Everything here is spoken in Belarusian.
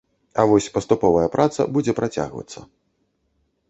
А вось паступовая праца будзе працягвацца.